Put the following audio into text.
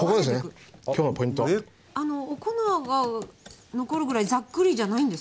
お粉が残るぐらいザックリじゃないんですか？